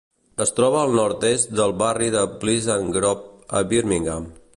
Es troba al nord-est del barri de Pleasant Grove a Birmingham.